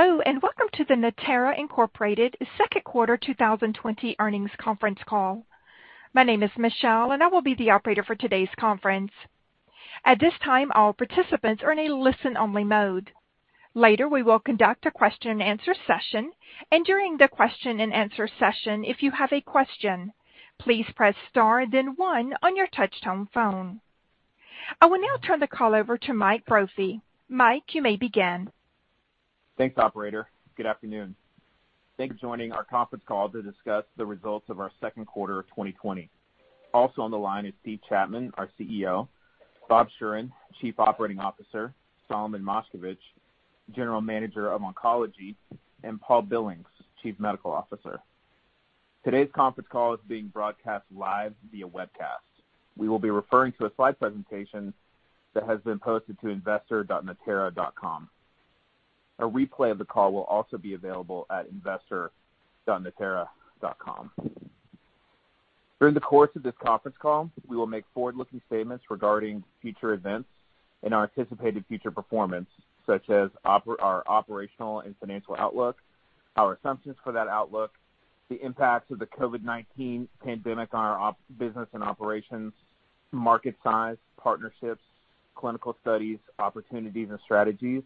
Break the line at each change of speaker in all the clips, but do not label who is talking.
Hello, welcome to the Natera, Incorporated second quarter 2020 earnings conference call. My name is Michelle, I will be the operator for today's conference. At this time, all participants are in a listen-only mode. Later, we will conduct a question and answer session. During the question and answer session, if you have a question, please press star then one on your touch-tone phone. I will now turn the call over to Mike Brophy. Mike, you may begin.
Thanks, Operator. Good afternoon. Thanks for joining our conference call to discuss the results of our second quarter of 2020. Also on the line is Steve Chapman, our CEO, Bob Schueren, Chief Operating Officer, Solomon Moshkevich, General Manager of Oncology, and Paul Billings, Chief Medical Officer. Today's conference call is being broadcast live via webcast. We will be referring to a slide presentation that has been posted to investor.natera.com. A replay of the call will also be available at investor.natera.com. During the course of this conference call, we will make forward-looking statements regarding future events and our anticipated future performance, such as our operational and financial outlook, our assumptions for that outlook, the impacts of the COVID-19 pandemic on our business and operations, market size, partnerships, clinical studies, opportunities and strategies,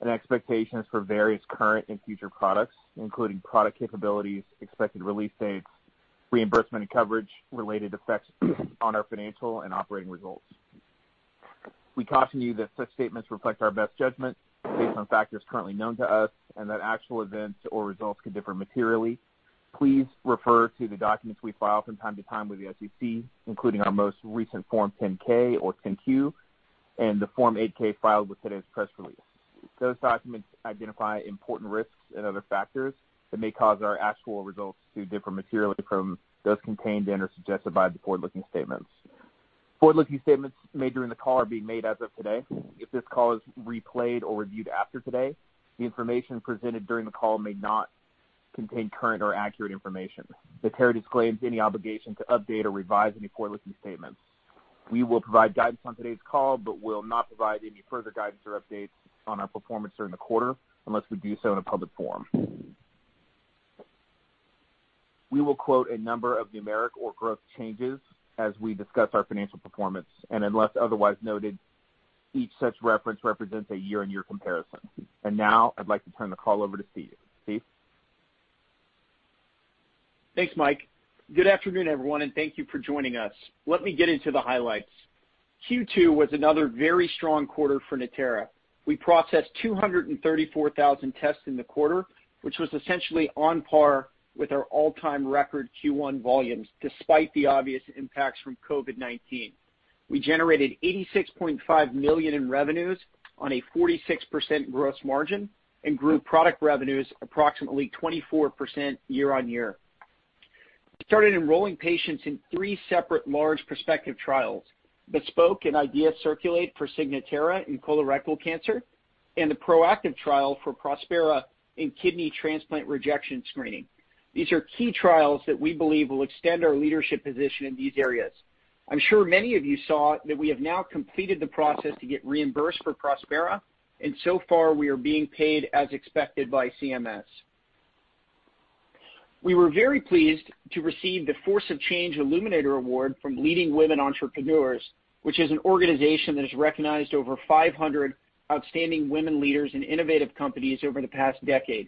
and expectations for various current and future products, including product capabilities, expected release dates, reimbursement and coverage related effects on our financial and operating results. We caution you that such statements reflect our best judgment based on factors currently known to us, and that actual events or results could differ materially. Please refer to the documents we file from time to time with the SEC, including our most recent Form 10-K or 10-Q, and the Form 8-K filed with today's press release. Those documents identify important risks and other factors that may cause our actual results to differ materially from those contained in or suggested by the forward-looking statements. Forward-looking statements made during the call are being made as of today. If this call is replayed or reviewed after today, the information presented during the call may not contain current or accurate information. Natera disclaims any obligation to update or revise any forward-looking statements. We will provide guidance on today's call, but will not provide any further guidance or updates on our performance during the quarter unless we do so in a public forum. We will quote a number of numeric or growth changes as we discuss our financial performance, unless otherwise noted, each such reference represents a year-on-year comparison. Now I'd like to turn the call over to Steve. Steve?
Thanks, Mike. Good afternoon, everyone, and thank you for joining us. Let me get into the highlights. Q2 was another very strong quarter for Natera. We processed 234,000 tests in the quarter, which was essentially on par with our all-time record Q1 volumes, despite the obvious impacts from COVID-19. We generated $86.5 million in revenues on a 46% gross margin and grew product revenues approximately 24% year-on-year. We started enrolling patients in three separate large prospective trials, BESPOKE and IDEA-CIRCULATE for Signatera in colorectal cancer, and the ProActive trial for Prospera in kidney transplant rejection screening. These are key trials that we believe will extend our leadership position in these areas. I'm sure many of you saw that we have now completed the process to get reimbursed for Prospera, and so far, we are being paid as expected by CMS. We were very pleased to receive the Force of Change Illuminator Award from Leading Women Entrepreneurs, which is an organization that has recognized over 500 outstanding women leaders in innovative companies over the past decade.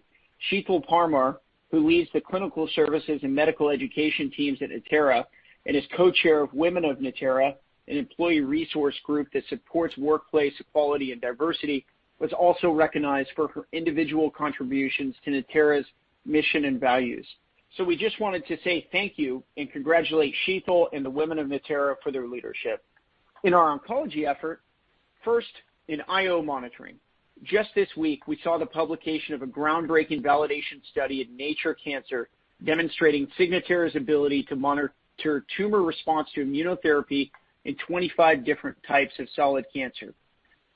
Sheetal Parmar, who leads the clinical services and medical education teams at Natera and is co-chair of Women of Natera, an employee resource group that supports workplace equality and diversity, was also recognized for her individual contributions to Natera's mission and values. We just wanted to say thank you and congratulate Sheetal and the Women of Natera for their leadership. In our oncology effort, first in IO monitoring, just this week, we saw the publication of a groundbreaking validation study in "Nature Cancer" demonstrating Signatera's ability to monitor tumor response to immunotherapy in 25 different types of solid cancer.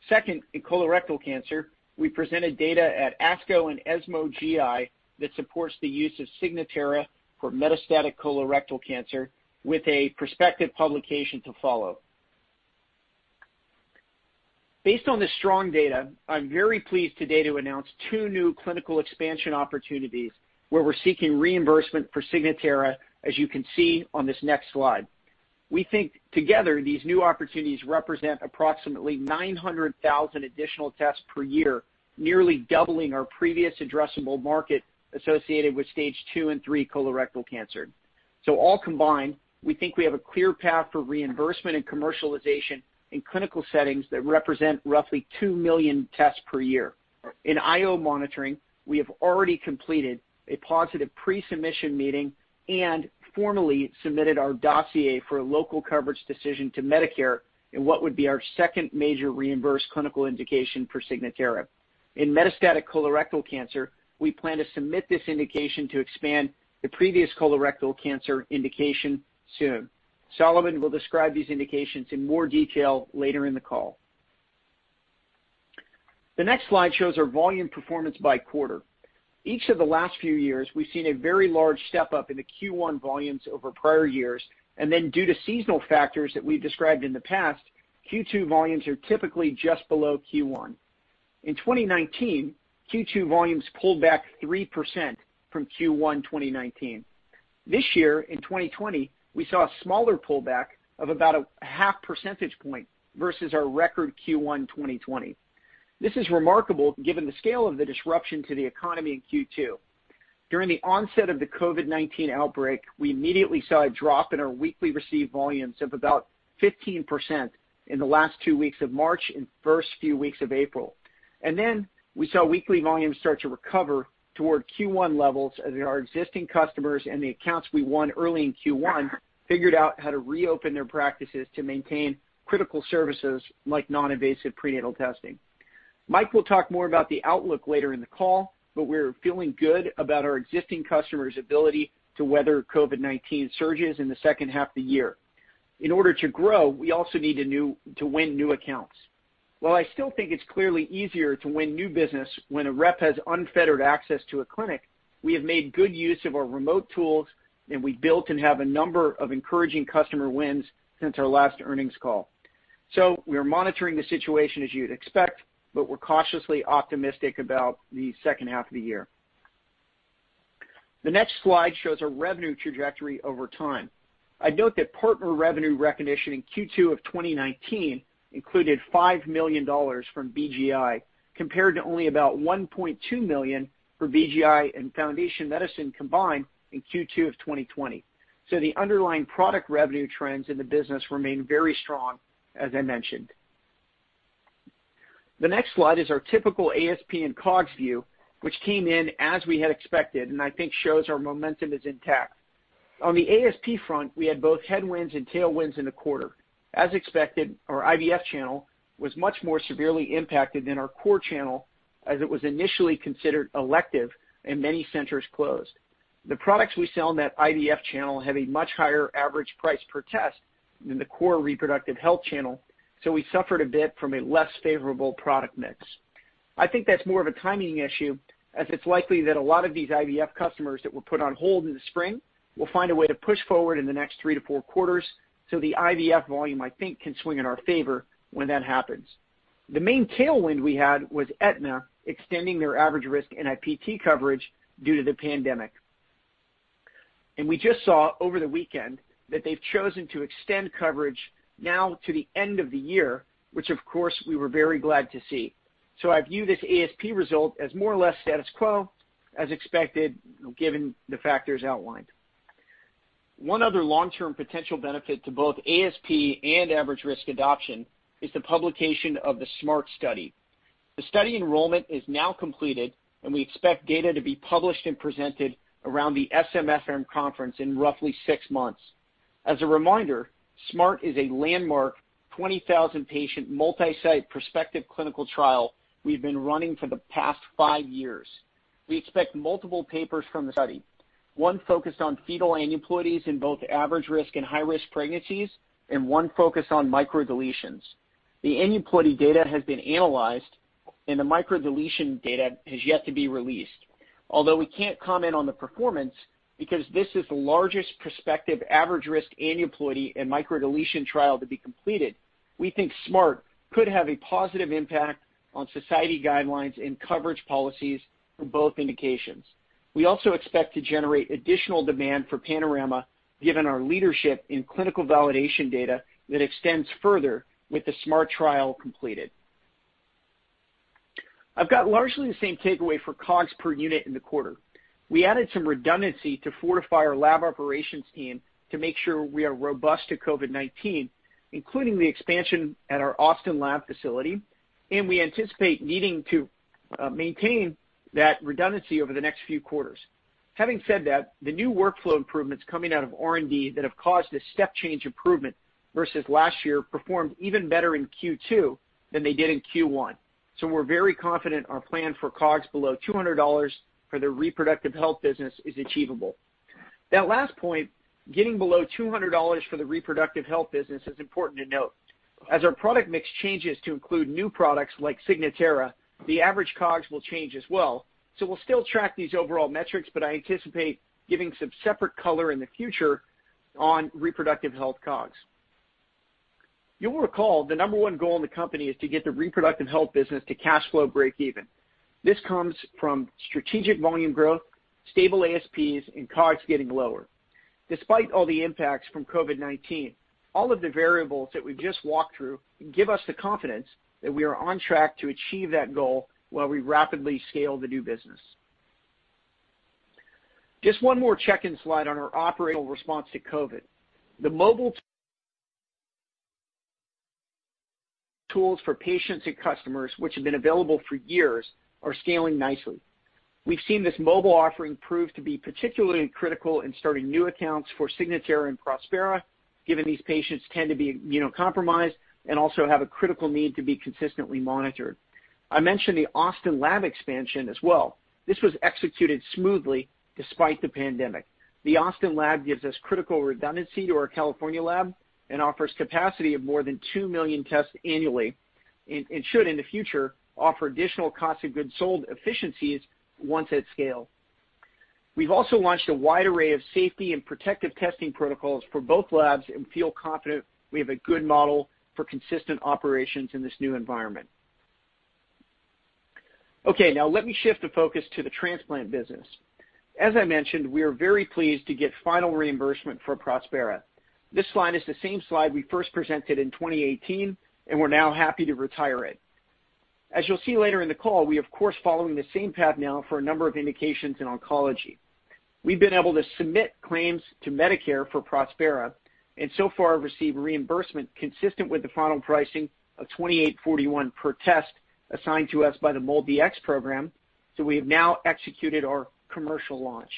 Second, in colorectal cancer, we presented data at ASCO and ESMO GI that supports the use of Signatera for metastatic colorectal cancer with a prospective publication to follow. Based on this strong data, I'm very pleased today to announce two new clinical expansion opportunities where we're seeking reimbursement for Signatera, as you can see on this next slide. We think together, these new opportunities represent approximately 900,000 additional tests per year, nearly doubling our previous addressable market associated with stage II and III colorectal cancer. All combined, we think we have a clear path for reimbursement and commercialization in clinical settings that represent roughly 2 million tests per year. In IO monitoring, we have already completed a positive pre-submission meeting and formally submitted our dossier for a local coverage decision to Medicare in what would be our second major reimbursed clinical indication for Signatera. In metastatic colorectal cancer, we plan to submit this indication to expand the previous colorectal cancer indication soon. Solomon will describe these indications in more detail later in the call. The next slide shows our volume performance by quarter. Each of the last few years, we've seen a very large step up in the Q1 volumes over prior years, and then due to seasonal factors that we've described in the past, Q2 volumes are typically just below Q1. In 2019, Q2 volumes pulled back 3% from Q1 2019. This year, in 2020, we saw a smaller pullback of about a half percentage point versus our record Q1 2020. This is remarkable given the scale of the disruption to the economy in Q2. During the onset of the COVID-19 outbreak, we immediately saw a drop in our weekly received volumes of about 15% in the last two weeks of March and first few weeks of April. We saw weekly volumes start to recover toward Q1 levels as our existing customers and the accounts we won early in Q1 figured out how to reopen their practices to maintain critical services like non-invasive prenatal testing. Mike will talk more about the outlook later in the call, but we're feeling good about our existing customers' ability to weather COVID-19 surges in the second half of the year. In order to grow, we also need to win new accounts. While I still think it's clearly easier to win new business when a rep has unfettered access to a clinic, we have made good use of our remote tools, and we built and have a number of encouraging customer wins since our last earnings call. We are monitoring the situation as you'd expect, but we're cautiously optimistic about the second half of the year. The next slide shows our revenue trajectory over time. I'd note that partner revenue recognition in Q2 of 2019 included $5 million from BGI, compared to only about $1.2 million for BGI and Foundation Medicine combined in Q2 of 2020. The underlying product revenue trends in the business remain very strong, as I mentioned. The next slide is our typical ASP and COGS view, which came in as we had expected and I think shows our momentum is intact. On the ASP front, we had both headwinds and tailwinds in the quarter. As expected, our IVF channel was much more severely impacted than our core channel as it was initially considered elective and many centers closed. The products we sell in that IVF channel have a much higher average price per test than the core reproductive health channel, so we suffered a bit from a less favorable product mix. I think that's more of a timing issue, as it's likely that a lot of these IVF customers that were put on hold in the spring will find a way to push forward in the next three to four quarters, so the IVF volume, I think, can swing in our favor when that happens. The main tailwind we had was Aetna extending their average risk NIPT coverage due to the pandemic. We just saw over the weekend that they've chosen to extend coverage now to the end of the year, which of course, we were very glad to see. I view this ASP result as more or less status quo, as expected, given the factors outlined. One other long-term potential benefit to both ASP and average risk adoption is the publication of the SMART study. The study enrollment is now completed, and we expect data to be published and presented around the SMFM conference in roughly six months. As a reminder, SMART is a landmark 20,000 patient multi-site prospective clinical trial we've been running for the past five years. We expect multiple papers from the study, one focused on fetal aneuploidies in both average risk and high risk pregnancies, and one focused on microdeletions. The aneuploidy data has been analyzed, and the microdeletion data has yet to be released. Although we can't comment on the performance, because this is the largest prospective average risk aneuploidy and microdeletion trial to be completed, we think SMART could have a positive impact on society guidelines and coverage policies for both indications. We also expect to generate additional demand for Panorama given our leadership in clinical validation data that extends further with the SMART trial completed. I've got largely the same takeaway for COGS per unit in the quarter. We added some redundancy to fortify our lab operations team to make sure we are robust to COVID-19, including the expansion at our Austin lab facility, and we anticipate needing to maintain that redundancy over the next few quarters. Having said that, the new workflow improvements coming out of R&D that have caused a step change improvement versus last year performed even better in Q2 than they did in Q1. We're very confident our plan for COGS below $200 for the reproductive health business is achievable. That last point, getting below $200 for the reproductive health business, is important to note. As our product mix changes to include new products like Signatera, the average COGS will change as well. We'll still track these overall metrics, but I anticipate giving some separate color in the future on reproductive health COGS. You'll recall the number one goal in the company is to get the reproductive health business to cash flow breakeven. This comes from strategic volume growth, stable ASPs, and COGS getting lower. Despite all the impacts from COVID-19, all of the variables that we've just walked through give us the confidence that we are on track to achieve that goal while we rapidly scale the new business. Just one more check-in slide on our operational response to COVID. The mobile tools for patients and customers which have been available for years are scaling nicely. We've seen this mobile offering prove to be particularly critical in starting new accounts for Signatera and Prospera, given these patients tend to be immunocompromised and also have a critical need to be consistently monitored. I mentioned the Austin lab expansion as well. This was executed smoothly despite the pandemic. The Austin lab gives us critical redundancy to our California lab and offers capacity of more than 2 million tests annually, and should in the future offer additional cost of goods sold efficiencies once at scale. We've also launched a wide array of safety and protective testing protocols for both labs and feel confident we have a good model for consistent operations in this new environment. Okay, now let me shift the focus to the transplant business. As I mentioned, we are very pleased to get final reimbursement for Prospera. This slide is the same slide we first presented in 2018, and we're now happy to retire it. As you'll see later in the call, we are of course, following the same path now for a number of indications in oncology. We've been able to submit claims to Medicare for Prospera, and so far have received reimbursement consistent with the final pricing of $28.41 per test assigned to us by the MolDX program, so we have now executed our commercial launch.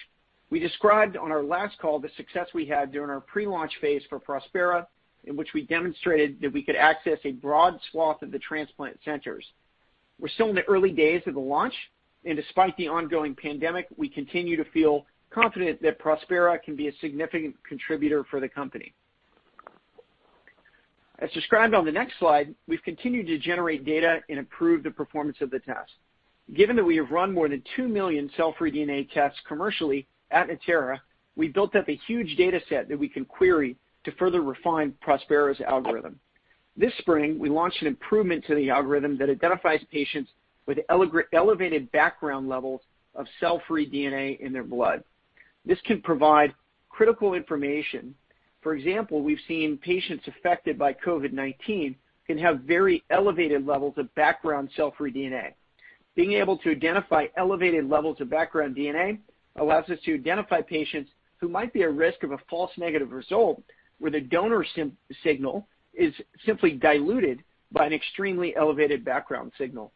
We described on our last call the success we had during our pre-launch phase for Prospera, in which we demonstrated that we could access a broad swath of the transplant centers. We're still in the early days of the launch, and despite the ongoing pandemic, we continue to feel confident that Prospera can be a significant contributor for the company. As described on the next slide, we've continued to generate data and improve the performance of the test. Given that we have run more than 2 million cell-free DNA tests commercially at Natera, we've built up a huge data set that we can query to further refine Prospera's algorithm. This spring, we launched an improvement to the algorithm that identifies patients with elevated background levels of cell-free DNA in their blood. This can provide critical information. For example, we've seen patients affected by COVID-19 can have very elevated levels of background cell-free DNA. Being able to identify elevated levels of background DNA allows us to identify patients who might be at risk of a false negative result, where the donor signal is simply diluted by an extremely elevated background signal.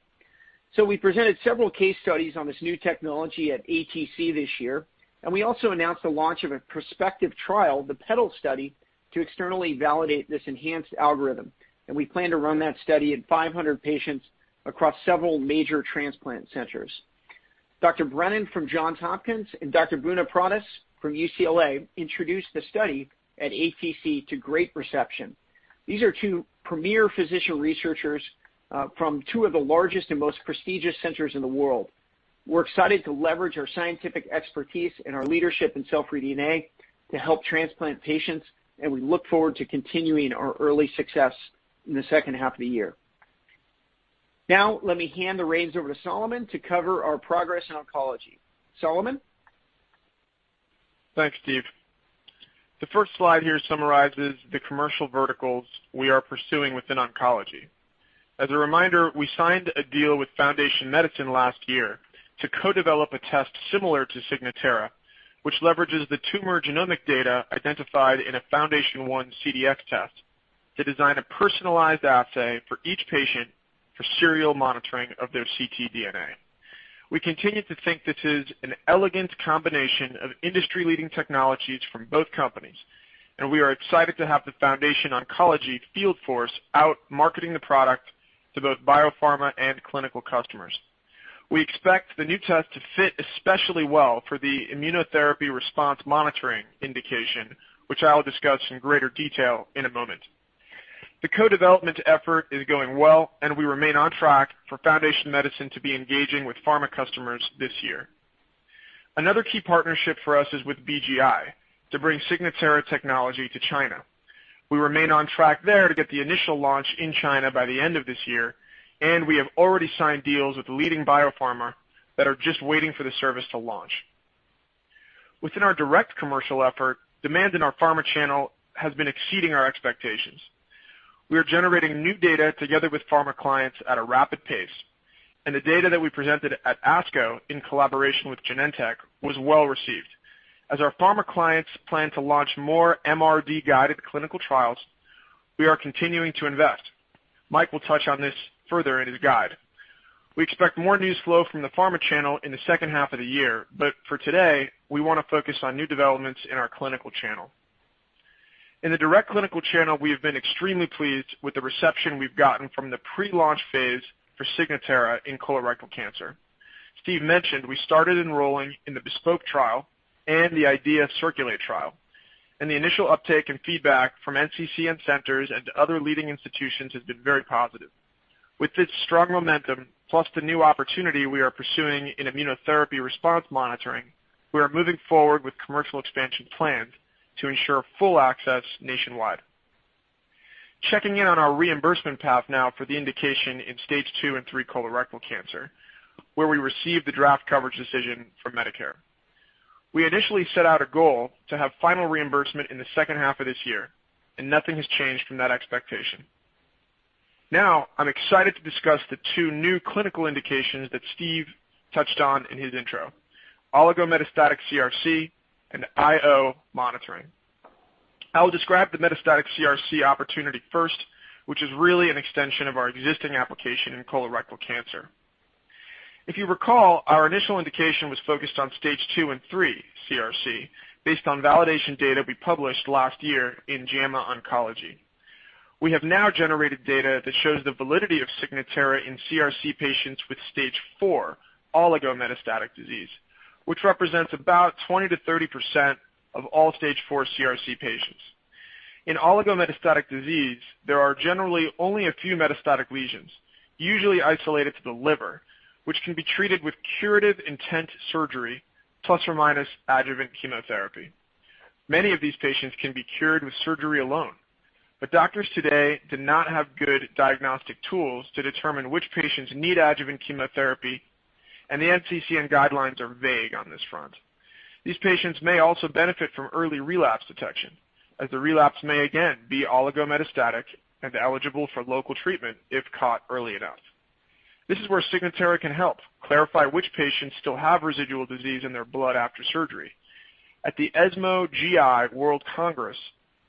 We presented several case studies on this new technology at ATC this year, and we also announced the launch of a prospective trial, the PEDAL study, to externally validate this enhanced algorithm, and we plan to run that study in 500 patients across several major transplant centers. Dr. Brennan from Johns Hopkins and Dr. Bunnapradist from UCLA introduced the study at ATC to great reception. These are two premier physician researchers, from two of the largest and most prestigious centers in the world. We're excited to leverage our scientific expertise and our leadership in cell-free DNA to help transplant patients, and we look forward to continuing our early success in the second half of the year. Now, let me hand the reins over to Solomon to cover our progress in oncology. Solomon?
Thanks, Steve. The first slide here summarizes the commercial verticals we are pursuing within oncology. As a reminder, we signed a deal with Foundation Medicine last year to co-develop a test similar to Signatera, which leverages the tumor genomic data identified in a FoundationOne CDx test to design a personalized assay for each patient for serial monitoring of their ctDNA. We continue to think this is an elegant combination of industry-leading technologies from both companies, and we are excited to have the Foundation Medicine field force out marketing the product to both biopharma and clinical customers. We expect the new test to fit especially well for the immunotherapy response monitoring indication, which I'll discuss in greater detail in a moment. The co-development effort is going well, and we remain on track for Foundation Medicine to be engaging with pharma customers this year. Another key partnership for us is with BGI to bring Signatera technology to China. We remain on track there to get the initial launch in China by the end of this year, and we have already signed deals with a leading biopharma that are just waiting for the service to launch. Within our direct commercial effort, demand in our pharma channel has been exceeding our expectations. We are generating new data together with pharma clients at a rapid pace, and the data that we presented at ASCO in collaboration with Genentech was well-received. As our pharma clients plan to launch more MRD-guided clinical trials, we are continuing to invest. Mike will touch on this further in his guide. We expect more news flow from the pharma channel in the second half of the year, but for today, we want to focus on new developments in our clinical channel. In the direct clinical channel, we have been extremely pleased with the reception we've gotten from the pre-launch phase for Signatera in colorectal cancer. Steve mentioned we started enrolling in the BESPOKE trial and the IDEA-CIRCULATE trial, the initial uptake and feedback from NCCN centers and other leading institutions has been very positive. With this strong momentum, plus the new opportunity we are pursuing in immunotherapy response monitoring, we are moving forward with commercial expansion plans to ensure full access nationwide. Checking in on our reimbursement path now for the indication in stage II and III colorectal cancer, where we received the draft coverage decision from Medicare. We initially set out a goal to have final reimbursement in the second half of this year, nothing has changed from that expectation. I'm excited to discuss the two new clinical indications that Steve touched on in his intro, oligometastatic CRC and IO monitoring. I will describe the metastatic CRC opportunity first, which is really an extension of our existing application in colorectal cancer. If you recall, our initial indication was focused on stage II and III CRC based on validation data we published last year in JAMA Oncology. We have now generated data that shows the validity of Signatera in CRC patients with stage IV oligometastatic disease, which represents about 20%-30% of all stage IV CRC patients. In oligometastatic disease, there are generally only a few metastatic lesions, usually isolated to the liver, which can be treated with curative intent surgery plus or minus adjuvant chemotherapy. Many of these patients can be cured with surgery alone, but doctors today do not have good diagnostic tools to determine which patients need adjuvant chemotherapy, and the NCCN guidelines are vague on this front. These patients may also benefit from early relapse detection, as the relapse may again be oligometastatic and eligible for local treatment if caught early enough. This is where Signatera can help clarify which patients still have residual disease in their blood after surgery. At the ESMO GI World Congress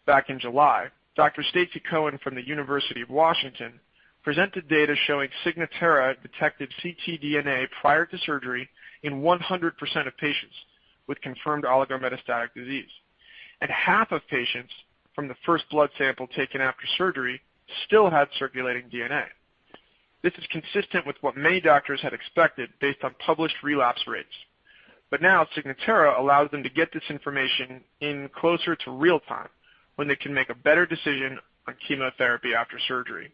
back in July, Dr. Stacey Cohen from the University of Washington presented data showing Signatera detected ctDNA prior to surgery in 100% of patients with confirmed oligometastatic disease, and half of patients from the first blood sample taken after surgery still had circulating DNA. This is consistent with what many doctors had expected based on published relapse rates. Now Signatera allows them to get this information in closer to real time, when they can make a better decision on chemotherapy after surgery.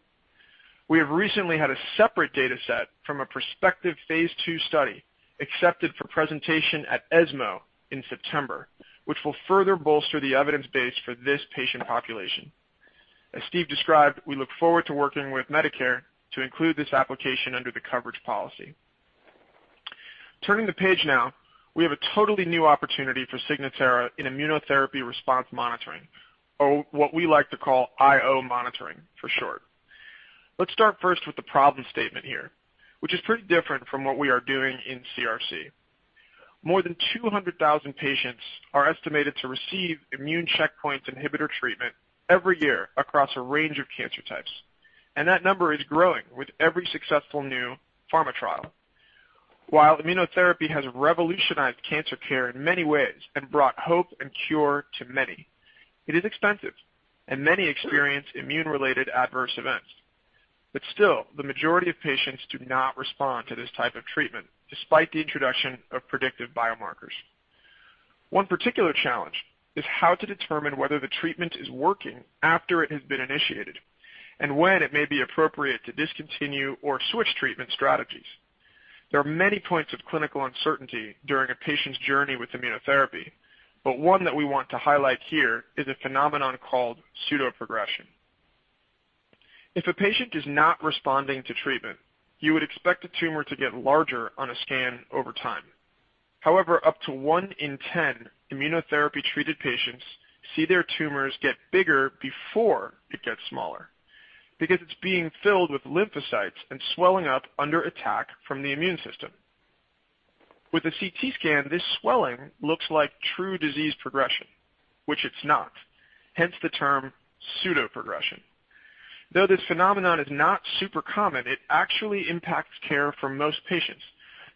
We have recently had a separate data set from a prospective phase II study accepted for presentation at ESMO in September, which will further bolster the evidence base for this patient population. As Steve described, we look forward to working with Medicare to include this application under the coverage policy. Turning the page now, we have a totally new opportunity for Signatera in immunotherapy response monitoring, or what we like to call IO monitoring for short. Let's start first with the problem statement here, which is pretty different from what we are doing in CRC. More than 200,000 patients are estimated to receive immune checkpoint inhibitor treatment every year across a range of cancer types. That number is growing with every successful new pharma trial. While immunotherapy has revolutionized cancer care in many ways and brought hope and cure to many, it is expensive and many experience immune-related adverse events. Still, the majority of patients do not respond to this type of treatment, despite the introduction of predictive biomarkers. One particular challenge is how to determine whether the treatment is working after it has been initiated and when it may be appropriate to discontinue or switch treatment strategies. There are many points of clinical uncertainty during a patient's journey with immunotherapy, but one that we want to highlight here is a phenomenon called pseudoprogression. If a patient is not responding to treatment, you would expect a tumor to get larger on a scan over time. However, up to one in 10 immunotherapy-treated patients see their tumors get bigger before it gets smaller because it's being filled with lymphocytes and swelling up under attack from the immune system. With a CT scan, this swelling looks like true disease progression, which it's not. Hence the term pseudoprogression. Though this phenomenon is not super common, it actually impacts care for most patients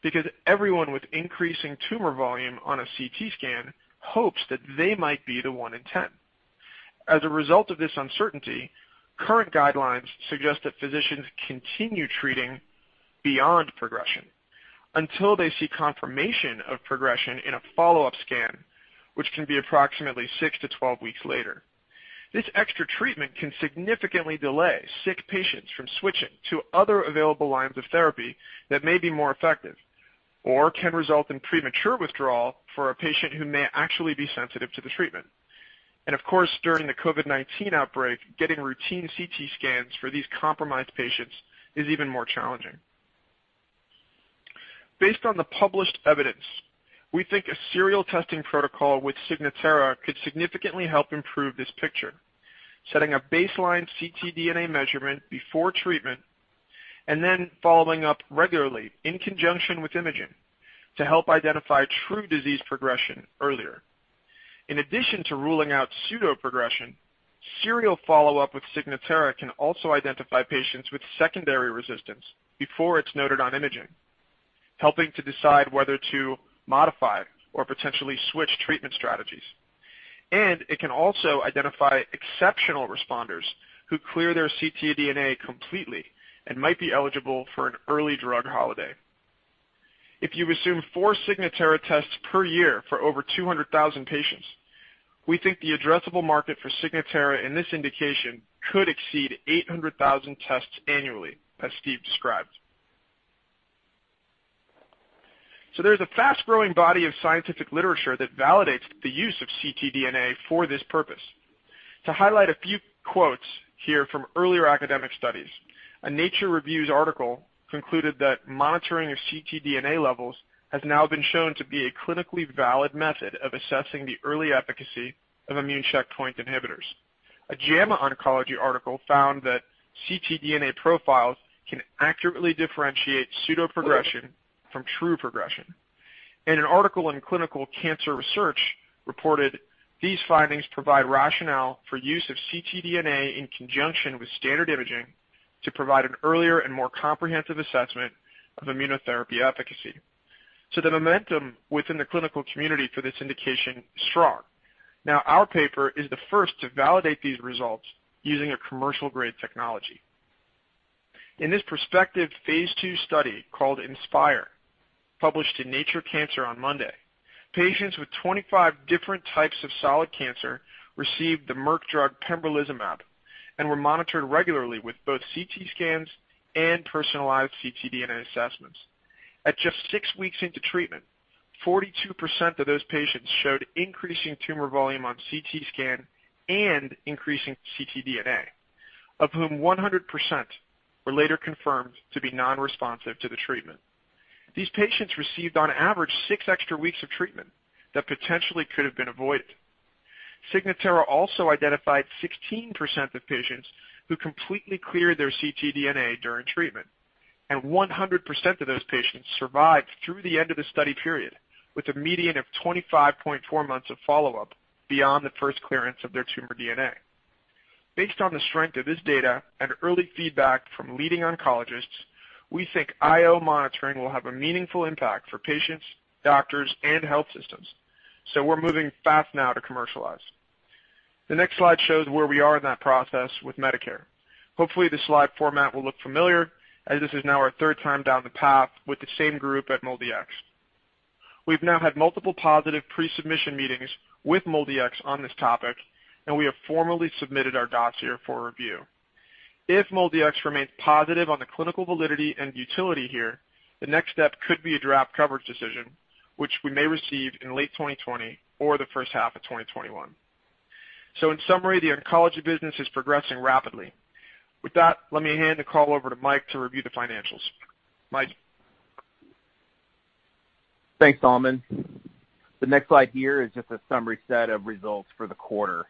because everyone with increasing tumor volume on a CT scan hopes that they might be the one in 10. As a result of this uncertainty, current guidelines suggest that physicians continue treating beyond progression until they see confirmation of progression in a follow-up scan, which can be approximately six to 12 weeks later. This extra treatment can significantly delay sick patients from switching to other available lines of therapy that may be more effective or can result in premature withdrawal for a patient who may actually be sensitive to the treatment. Of course, during the COVID-19 outbreak, getting routine CT scans for these compromised patients is even more challenging. Based on the published evidence, we think a serial testing protocol with Signatera could significantly help improve this picture, setting a baseline ctDNA measurement before treatment and then following up regularly in conjunction with imaging to help identify true disease progression earlier. In addition to ruling out pseudoprogression, serial follow-up with Signatera can also identify patients with secondary resistance before it's noted on imaging, helping to decide whether to modify or potentially switch treatment strategies. It can also identify exceptional responders who clear their ctDNA completely and might be eligible for an early drug holiday. If you assume four Signatera tests per year for over 200,000 patients, we think the addressable market for Signatera in this indication could exceed 800,000 tests annually, as Steve described. There's a fast-growing body of scientific literature that validates the use of ctDNA for this purpose. To highlight a few quotes here from earlier academic studies, a Nature Reviews article concluded that monitoring of ctDNA levels has now been shown to be a clinically valid method of assessing the early efficacy of immune checkpoint inhibitors. A JAMA Oncology article found that ctDNA profiles can accurately differentiate pseudoprogression from true progression. An article in Clinical Cancer Research reported, "These findings provide rationale for use of ctDNA in conjunction with standard imaging to provide an earlier and more comprehensive assessment of immunotherapy efficacy." The momentum within the clinical community for this indication is strong. Our paper is the first to validate these results using a commercial-grade technology. In this prospective phase II study called INSPIRE, published in Nature Cancer on Monday, patients with 25 different types of solid cancer received the Merck drug pembrolizumab and were monitored regularly with both CT scans and personalized ctDNA assessments. At just six weeks into treatment, 42% of those patients showed increasing tumor volume on CT scan and increasing ctDNA, of whom 100% were later confirmed to be non-responsive to the treatment. These patients received, on average, six extra weeks of treatment that potentially could have been avoided. Signatera also identified 16% of patients who completely cleared their ctDNA during treatment, and 100% of those patients survived through the end of the study period, with a median of 25.4 months of follow-up beyond the first clearance of their tumor DNA. Based on the strength of this data and early feedback from leading oncologists, we think IO monitoring will have a meaningful impact for patients, doctors, and health systems. We're moving fast now to commercialize. The next slide shows where we are in that process with Medicare. Hopefully, this slide format will look familiar, as this is now our third time down the path with the same group at MolDX. We've now had multiple positive pre-submission meetings with MolDX on this topic, and we have formally submitted our dossier for review. If MolDX remains positive on the clinical validity and utility here, the next step could be a draft coverage decision, which we may receive in late 2020 or the first half of 2021. In summary, the oncology business is progressing rapidly. With that, let me hand the call over to Mike to review the financials. Mike?
Thanks, Solomon. The next slide here is just a summary set of results for the quarter.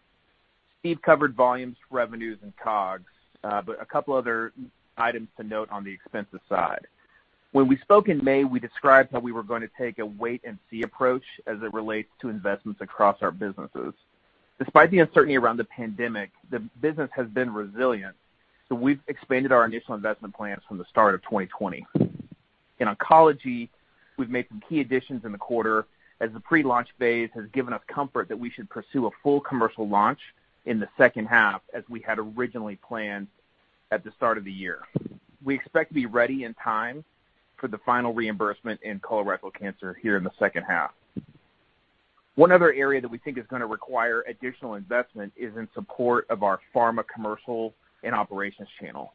Steve covered volumes, revenues, and COGS, but a couple other items to note on the expenses side. When we spoke in May, we described how we were going to take a wait-and-see approach as it relates to investments across our businesses. Despite the uncertainty around the pandemic, the business has been resilient, so we've expanded our initial investment plans from the start of 2020. In oncology, we've made some key additions in the quarter as the pre-launch phase has given us comfort that we should pursue a full commercial launch in the second half as we had originally planned at the start of the year. We expect to be ready in time for the final reimbursement in colorectal cancer here in the second half. One other area that we think is going to require additional investment is in support of our pharma commercial and operations channel.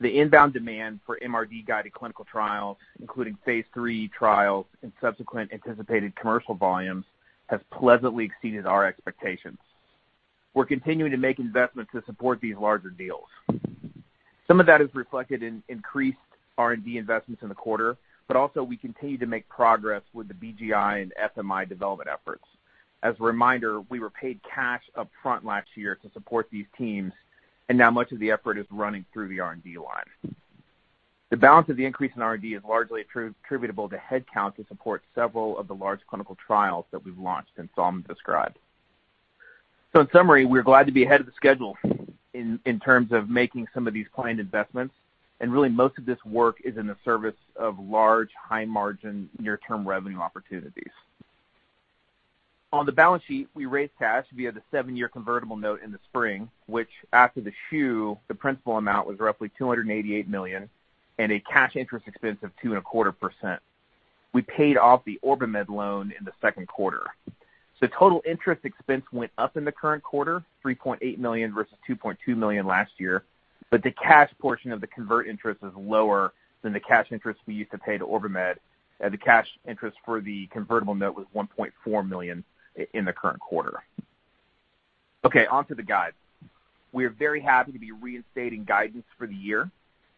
The inbound demand for MRD-guided clinical trials, including phase III trials and subsequent anticipated commercial volumes, has pleasantly exceeded our expectations. We're continuing to make investments to support these larger deals. Some of that is reflected in increased R&D investments in the quarter, but also we continue to make progress with the BGI and FMI development efforts. As a reminder, we were paid cash up front last year to support these teams, and now much of the effort is running through the R&D line. The balance of the increase in R&D is largely attributable to headcount to support several of the large clinical trials that we've launched and Solomon described. In summary, we're glad to be ahead of the schedule in terms of making some of these planned investments, and really most of this work is in the service of large, high-margin, near-term revenue opportunities. On the balance sheet, we raised cash via the seven-year convertible note in the spring, which, after the shoe, the principal amount was roughly $288 million and a cash interest expense of 2.25%. We paid off the OrbiMed loan in the second quarter. Total interest expense went up in the current quarter, $3.8 million versus $2.2 million last year, but the cash portion of the convert interest is lower than the cash interest we used to pay to OrbiMed, and the cash interest for the convertible note was $1.4 million in the current quarter. Okay, on to the guide. We are very happy to be reinstating guidance for the year,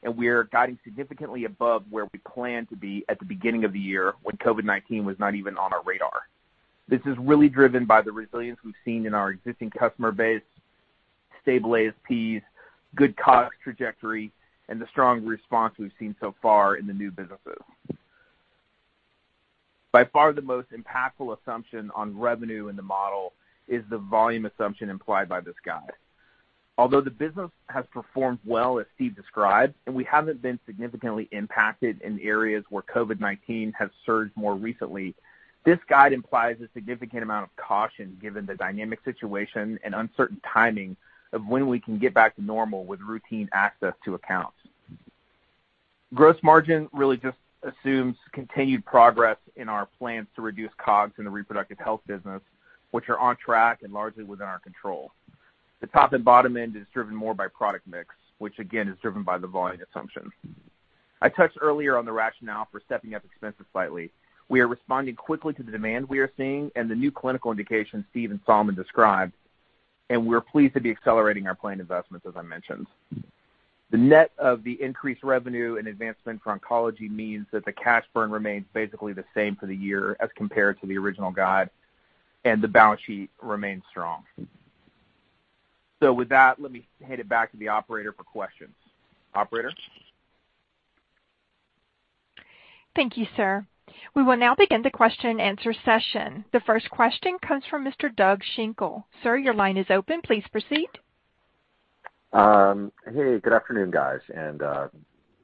and we are guiding significantly above where we planned to be at the beginning of the year when COVID-19 was not even on our radar. This is really driven by the resilience we've seen in our existing customer base, stable ASPs, good COGS trajectory, and the strong response we've seen so far in the new businesses. By far, the most impactful assumption on revenue in the model is the volume assumption implied by this guide. Although the business has performed well, as Steve described, and we haven't been significantly impacted in areas where COVID-19 has surged more recently, this guide implies a significant amount of caution given the dynamic situation and uncertain timing of when we can get back to normal with routine access to accounts. Gross margin really just assumes continued progress in our plans to reduce COGS in the reproductive health business, which are on track and largely within our control. The top and bottom end is driven more by product mix, which again is driven by the volume assumption. I touched earlier on the rationale for stepping up expenses slightly. We are responding quickly to the demand we are seeing and the new clinical indications Steve and Solomon described, and we're pleased to be accelerating our planned investments, as I mentioned. The net of the increased revenue and advancement for oncology means that the cash burn remains basically the same for the year as compared to the original guide, and the balance sheet remains strong. With that, let me hand it back to the operator for questions. Operator?
Thank you, sir. We will now begin the question and answer session. The first question comes from Mr. Doug Schenkel. Sir, your line is open. Please proceed.
Hey, good afternoon, guys, and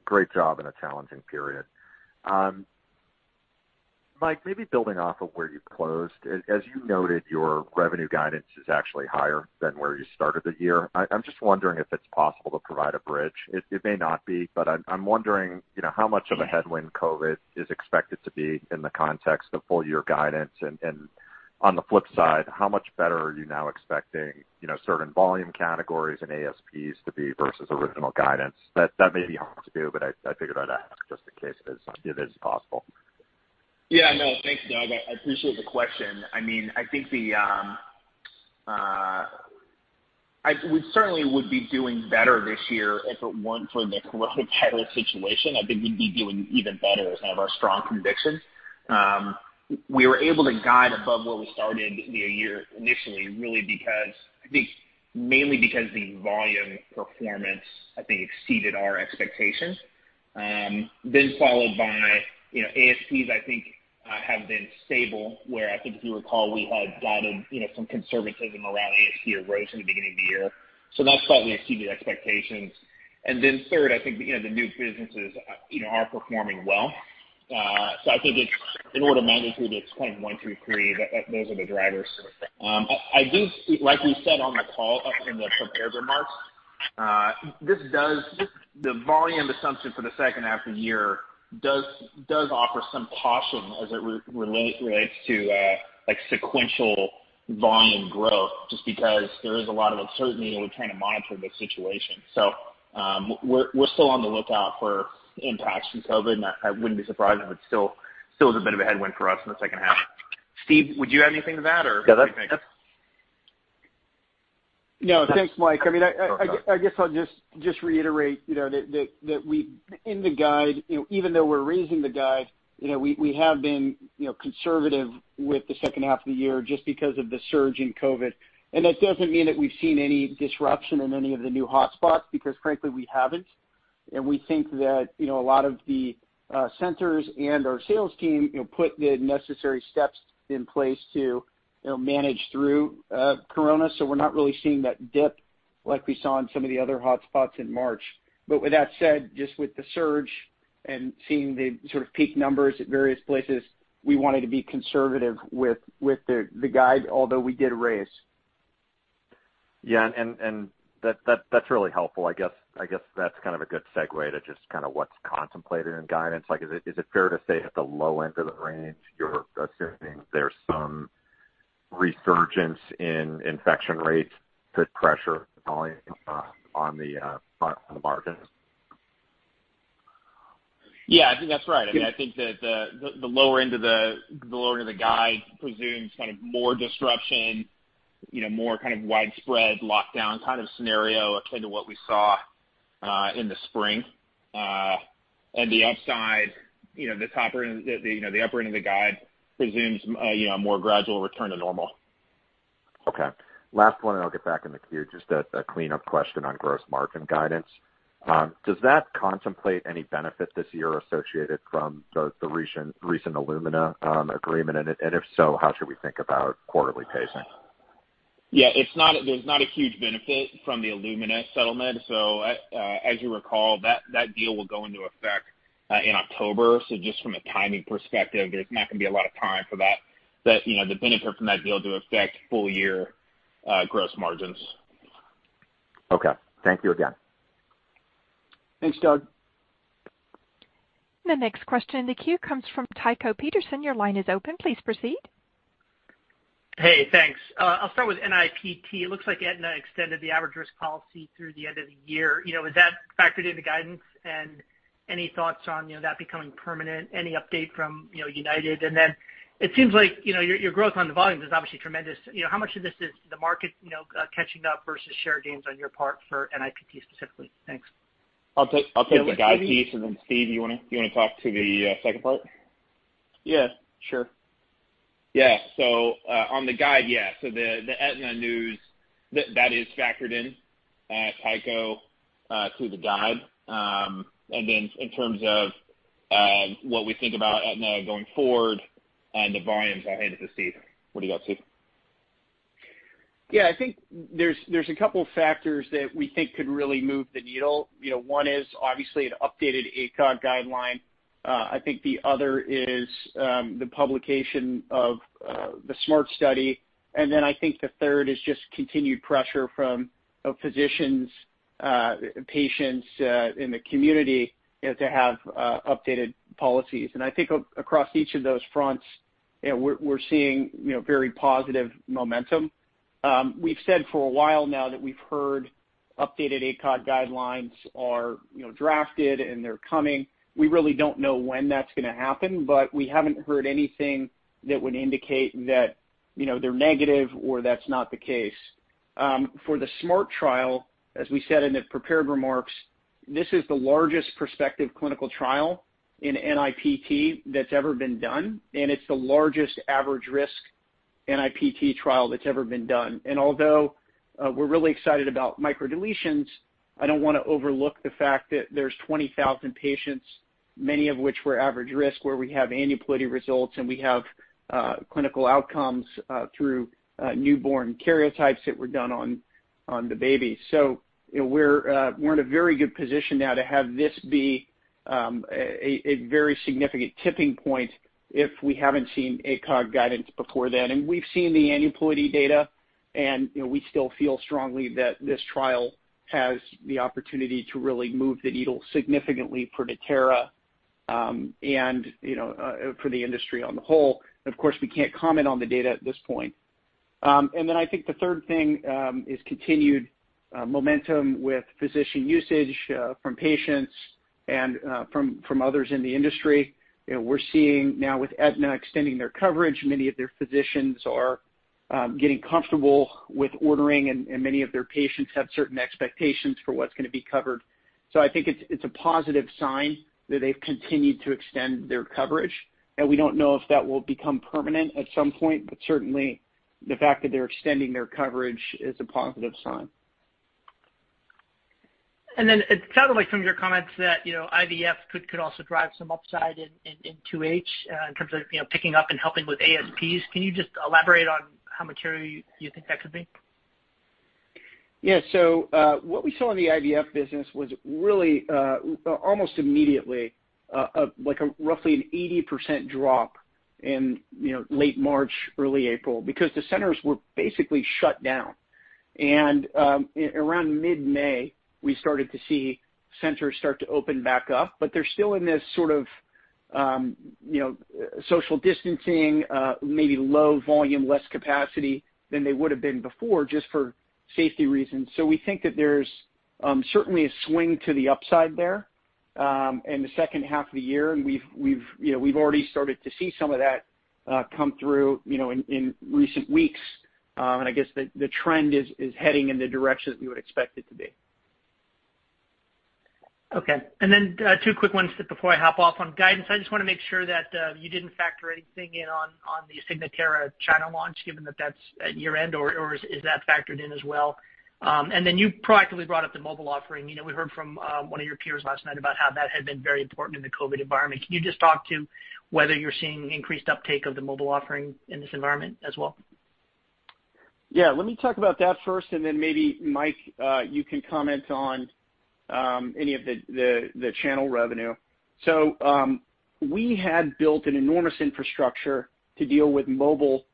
great job in a challenging period. Mike, maybe building off of where you closed. As you noted, your revenue guidance is actually higher than where you started the year. I'm just wondering if it's possible to provide a bridge. It may not be, but I'm wondering, how much of a headwind COVID is expected to be in the context of full year guidance? On the flip side, how much better are you now expecting certain volume categories and ASPs to be versus original guidance? That may be hard to do, but I figured I'd ask just in case it is possible.
Yeah, no. Thanks, Doug. I appreciate the question. We certainly would be doing better this year if it weren't for the COVID situation. I think we'd be doing even better as kind of our strong conviction. We were able to guide above where we started the year initially, really, I think, mainly because the volume performance, I think, exceeded our expectations. Followed by ASPs, I think, have been stable, where I think if you recall, we had guided some conservatism around ASP or growth in the beginning of the year. That's why we exceeded expectations. Third, I think, the new businesses are performing well. I think it's an order of magnitude that's kind of one through three, those are the drivers. Like we said on the call up in the prepared remarks, the volume assumption for the second half of the year does offer some caution as it relates to sequential volume growth, just because there is a lot of uncertainty and we're trying to monitor the situation. We're still on the lookout for impacts from COVID, and I wouldn't be surprised if it's still a bit of a headwind for us in the second half. Steve, would you add anything to that?
Thanks, Mike. I guess I'll just reiterate, that in the guide, even though we're raising the guide, we have been conservative with the second half of the year just because of the surge in COVID. That doesn't mean that we've seen any disruption in any of the new hotspots, because frankly, we haven't. We think that a lot of the centers and our sales team put the necessary steps in place to manage through corona. We're not really seeing that dip like we saw in some of the other hotspots in March. With that said, just with the surge and seeing the sort of peak numbers at various places, we wanted to be conservative with the guide, although we did raise.
Yeah, that's really helpful. I guess that's kind of a good segue to just kind of what's contemplated in guidance. Is it fair to say at the low end of the range, you're assuming there's some resurgence in infection rates, put pressure on the front end of the market?
Yeah, I think that's right. I think that the lower end of the guide presumes kind of more disruption, more kind of widespread lockdown kind of scenario akin to what we saw in the spring. The upside, the upper end of the guide presumes a more gradual return to normal.
Okay. Last one, and I'll get back in the queue. Just a cleanup question on gross margin guidance. Does that contemplate any benefit this year associated from the recent Illumina agreement? If so, how should we think about quarterly pacing?
There's not a huge benefit from the Illumina settlement. As you recall, that deal will go into effect in October. Just from a timing perspective, there's not going to be a lot of time for the benefit from that deal to affect full year gross margins.
Okay. Thank you again.
Thanks, Doug.
The next question in the queue comes from Tycho Peterson. Your line is open, please proceed.
Hey, thanks. I'll start with NIPT. It looks like Aetna extended the average risk policy through the end of the year. Is that factored into guidance? Any thoughts on that becoming permanent? Any update from United? Then it seems like your growth on the volume is obviously tremendous. How much of this is the market catching up versus share gains on your part for NIPT specifically? Thanks.
I'll take the guide piece and then Steve, you want to talk to the second part?
Yeah, sure.
Yeah. On the guide. The Aetna news, that is factored in, Tycho, to the guide. In terms of what we think about Aetna going forward and the volumes, I'll hand it to Steve. What do you got, Steve?
Yeah, I think there's a couple factors that we think could really move the needle. One is obviously an updated ACOG guideline. I think the other is the publication of the SMART study. Then I think the third is just continued pressure from physicians, patients in the community to have updated policies. I think across each of those fronts, we're seeing very positive momentum. We've said for a while now that we've heard updated ACOG guidelines are drafted and they're coming. We really don't know when that's going to happen, we haven't heard anything that would indicate that they're negative or that's not the case. For the SMART trial, as we said in the prepared remarks, this is the largest prospective clinical trial in NIPT that's ever been done, and it's the largest average risk NIPT trial that's ever been done. Although we're really excited about microdeletions, I don't want to overlook the fact that there's 20,000 patients, many of which were average risk, where we have aneuploidy results and we have clinical outcomes through newborn karyotypes that were done on the baby. We're in a very good position now to have this be a very significant tipping point if we haven't seen ACOG guidance before then. We've seen the aneuploidy data, and we still feel strongly that this trial has the opportunity to really move the needle significantly for Natera and for the industry on the whole. Of course, we can't comment on the data at this point. Then I think the third thing is continued momentum with physician usage from patients and from others in the industry. We're seeing now with Aetna extending their coverage, many of their physicians are getting comfortable with ordering, and many of their patients have certain expectations for what's going to be covered. I think it's a positive sign that they've continued to extend their coverage, and we don't know if that will become permanent at some point, but certainly the fact that they're extending their coverage is a positive sign.
It sounded like from your comments that IVF could also drive some upside in 2H in terms of picking up and helping with ASPs. Can you just elaborate on how material you think that could be?
What we saw in the IVF business was really, almost immediately, like roughly an 80% drop in late March, early April, because the centers were basically shut down. Around mid-May, we started to see centers start to open back up, but they're still in this sort of social distancing, maybe low volume, less capacity than they would've been before, just for safety reasons. We think that there's certainly a swing to the upside there in the second half of the year, and we've already started to see some of that come through in recent weeks. I guess the trend is heading in the direction that we would expect it to be.
Okay. Two quick ones before I hop off. On guidance, I just want to make sure that you didn't factor anything in on the Signatera China launch, given that that's at year-end, or is that factored in as well? You proactively brought up the mobile offering. We heard from one of your peers last night about how that had been very important in the COVID environment. Can you just talk to whether you're seeing increased uptake of the mobile offering in this environment as well?
Let me talk about that first, then maybe, Mike, you can comment on any of the channel revenue. We had built an enormous infrastructure to deal with mobile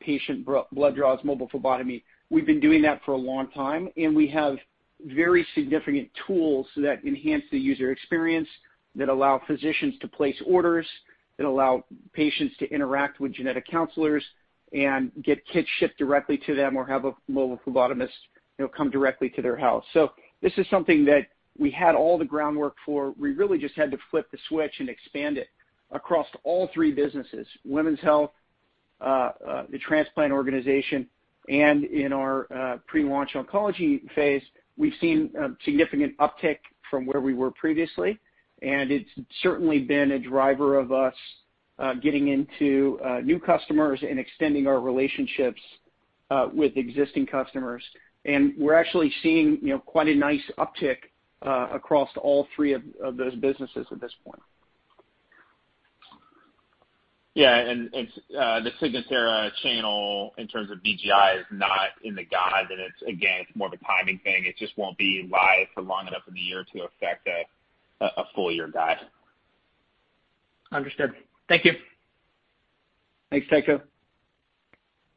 patient blood draws, mobile phlebotomy. We've been doing that for a long time, we have very significant tools that enhance the user experience, that allow physicians to place orders, that allow patients to interact with genetic counselors and get kits shipped directly to them or have a mobile phlebotomist come directly to their house. This is something that we had all the groundwork for. We really just had to flip the switch and expand it across all three businesses, women's health, the transplant organization, and in our pre-launch oncology phase. We've seen a significant uptick from where we were previously, and it's certainly been a driver of us getting into new customers and extending our relationships with existing customers. We're actually seeing quite a nice uptick across all three of those businesses at this point.
The Signatera channel in terms of BGI is not in the guide, and it's, again, it's more of a timing thing. It just won't be live for long enough in the year to affect a full-year guide.
Understood. Thank you.
Thanks, Tycho.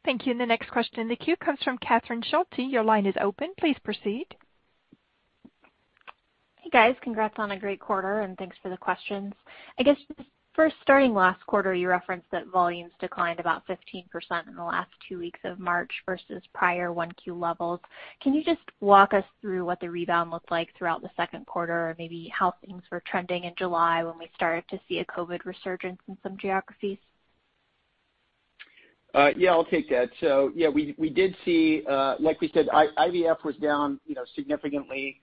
Thank you. The next question in the queue comes from Catherine Schulte. Your line is open. Please proceed.
Hey, guys. Congrats on a great quarter, and thanks for the questions. I guess just first, starting last quarter, you referenced that volumes declined about 15% in the last two weeks of March versus prior 1Q levels. Can you just walk us through what the rebound looked like throughout the second quarter, or maybe how things were trending in July when we started to see a COVID resurgence in some geographies?
Yeah, I'll take that. Yeah, we did, like we said, IVF was down significantly.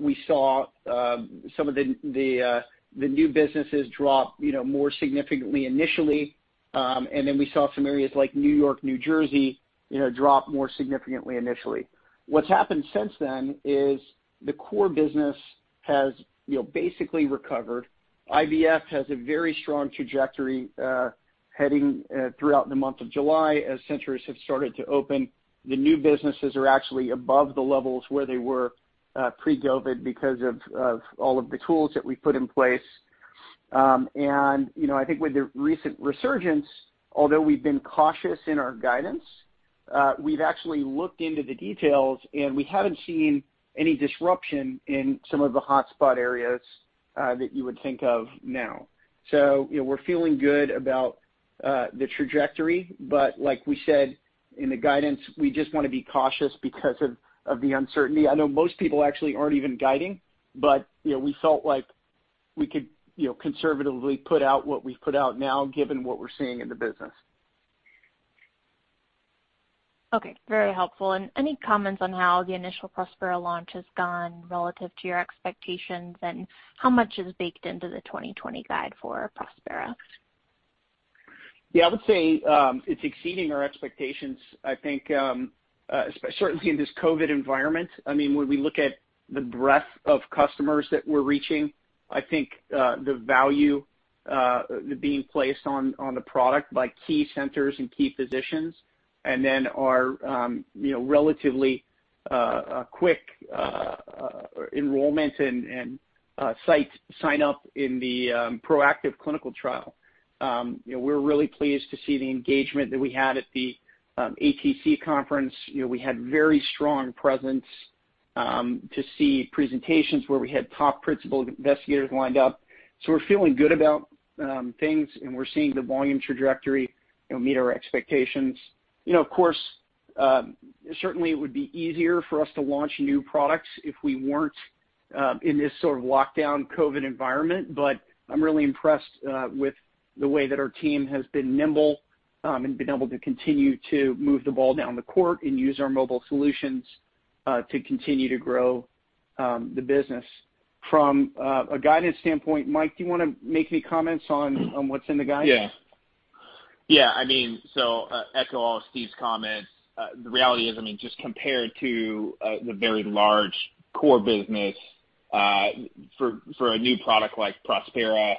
We saw some of the new businesses drop more significantly initially, and then we saw some areas like New York, New Jersey, drop more significantly initially. What's happened since then is the core business has basically recovered. IVF has a very strong trajectory heading throughout the month of July as centers have started to open. The new businesses are actually above the levels where they were pre-COVID because of all of the tools that we put in place. I think with the recent resurgence, although we've been cautious in our guidance, we've actually looked into the details, and we haven't seen any disruption in some of the hotspot areas that you would think of now. We're feeling good about the trajectory, but like we said in the guidance, we just want to be cautious because of the uncertainty. I know most people actually aren't even guiding, but we felt like we could conservatively put out what we've put out now given what we're seeing in the business.
Okay. Very helpful. Any comments on how the initial Prospera launch has gone relative to your expectations, and how much is baked into the 2020 guide for Prospera?
Yeah, I would say it's exceeding our expectations. I think certainly in this COVID-19 environment, when we look at the breadth of customers that we're reaching, the value being placed on the product by key centers and key physicians, our relatively quick enrollment and site sign up in the ProActive clinical trial. We're really pleased to see the engagement that we had at the American Transplant Congress. We had very strong presence to see presentations where we had top principal investigators lined up. We're feeling good about things, and we're seeing the volume trajectory meet our expectations. Of course, certainly it would be easier for us to launch new products if we weren't in this sort of lockdown COVID-19 environment. I'm really impressed with the way that our team has been nimble and been able to continue to move the ball down the court and use our mobile solutions to continue to grow the business. From a guidance standpoint, Mike, do you want to make any comments on what's in the guidance?
Echo all of Steve's comments. The reality is, just compared to the very large core business for a new product like Prospera,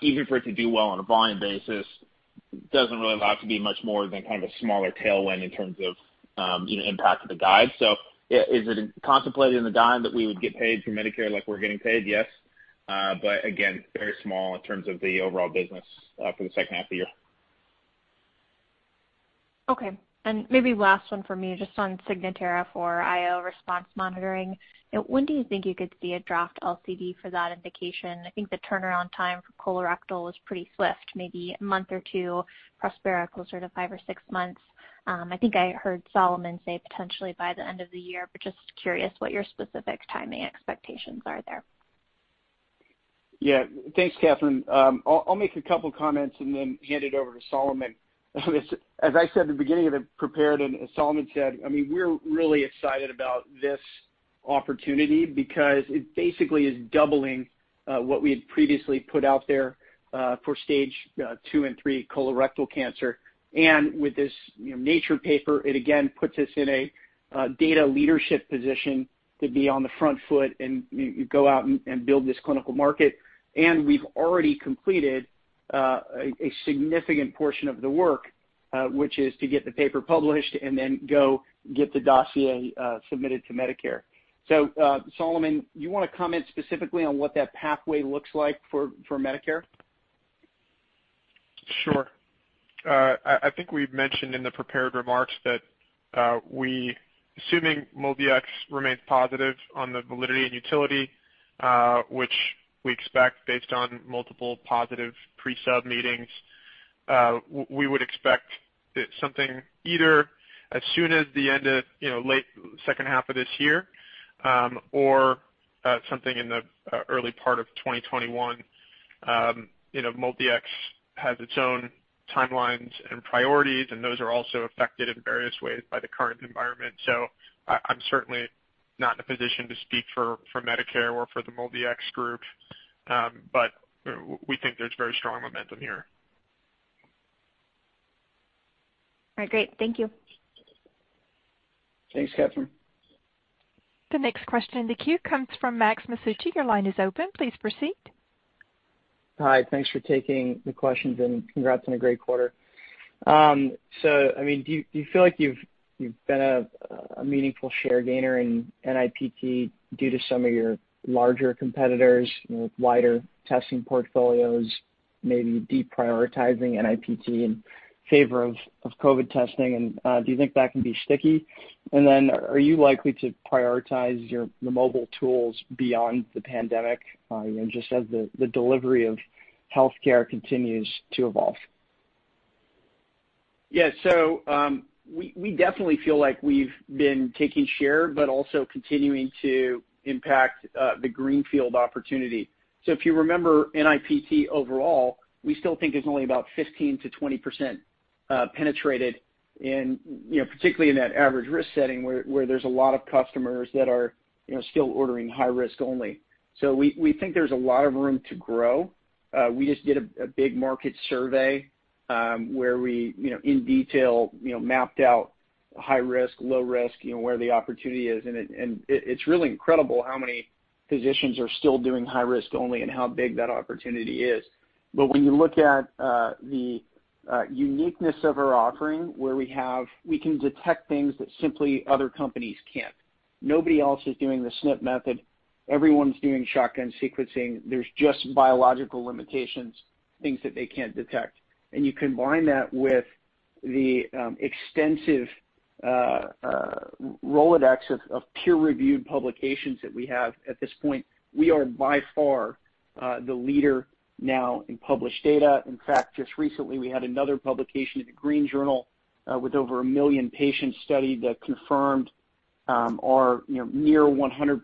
even for it to do well on a volume basis, doesn't really allow it to be much more than kind of a smaller tailwind in terms of impact of the guide. Is it contemplated in the guide that we would get paid through Medicare like we're getting paid? Yes. Again, very small in terms of the overall business for the second half of the year.
Okay. Maybe last one for me, just on Signatera for IO response monitoring. When do you think you could see a draft LCD for that indication? I think the turnaround time for colorectal is pretty swift, maybe a month or two, Prospera, closer to five or six months. I think I heard Solomon say potentially by the end of the year, but just curious what your specific timing expectations are there.
Yeah. Thanks, Catherine. I'll make a couple comments and then hand it over to Solomon. As I said at the beginning of the prepared and as Solomon said, we're really excited about this opportunity because it basically is doubling what we had previously put out there for stage II and III colorectal cancer. With this Nature paper, it again puts us in a data leadership position to be on the front foot and go out and build this clinical market. We've already completed a significant portion of the work, which is to get the paper published and then go get the dossier submitted to Medicare. Solomon, you want to comment specifically on what that pathway looks like for Medicare?
Sure. I think we've mentioned in the prepared remarks that assuming MolDX remains positive on the validity and utility, which we expect based on multiple positive pre-sub meetings, we would expect something either as soon as the end of late second half of this year or something in the early part of 2021. MolDX has its own timelines and priorities, and those are also affected in various ways by the current environment. I'm certainly not in a position to speak for Medicare or for the MolDX group, but we think there's very strong momentum here.
All right, great. Thank you.
Thanks, Catherine.
The next question in the queue comes from Max Masucci. Your line is open. Please proceed.
Hi, thanks for taking the questions and congrats on a great quarter. Do you feel like you've been a meaningful share gainer in NIPT due to some of your larger competitors with wider testing portfolios, maybe deprioritizing NIPT in favor of COVID testing, and do you think that can be sticky? Are you likely to prioritize your mobile tools beyond the pandemic, just as the delivery of healthcare continues to evolve?
Yeah. We definitely feel like we've been taking share, but also continuing to impact the greenfield opportunity. If you remember NIPT overall, we still think there's only about 15%-20% penetrated, and particularly in that average risk setting, where there's a lot of customers that are still ordering high risk only. We think there's a lot of room to grow. We just did a big market survey, where we, in detail, mapped out high risk, low risk, where the opportunity is in it, and it's really incredible how many physicians are still doing high risk only and how big that opportunity is. When you look at the uniqueness of our offering, where we can detect things that simply other companies can't. Nobody else is doing the SNP method. Everyone's doing shotgun sequencing. There's just biological limitations, things that they can't detect. You combine that with the extensive Rolodex of peer-reviewed publications that we have at this point, we are by far the leader now in published data. In fact, just recently, we had another publication in the Green Journal with over 1 million patients studied that confirmed our near 100%